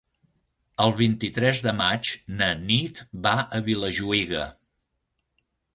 El vint-i-tres de maig na Nit va a Vilajuïga.